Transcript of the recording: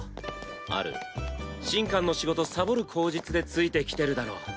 アル神官の仕事サボる口実でついてきてるだろ。